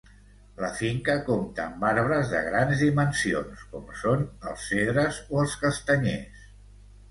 La finca compta amb arbres de grans dimensions com són els cedres o els castanyers.